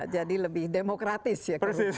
jadi lebih demokratis ya